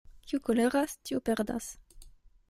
Kiu koleras, tiu perdas.